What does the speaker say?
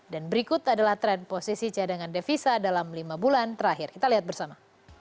dan berikut adalah tren posisi cadangan devisa dalam lima bulan terakhir kita lihat bersama